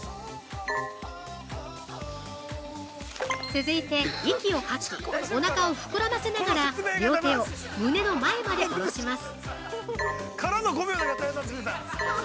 続いて、息を吐きおなかを膨らませながら両手を胸の前までおろします。